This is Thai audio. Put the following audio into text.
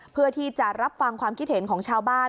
เพื่อที่จะรับฟังความคิดเห็นของชาวบ้าน